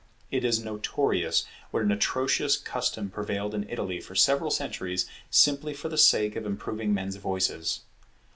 It is notorious what an atrocious custom prevailed in Italy for several centuries, simply for the sake of improving men's voices.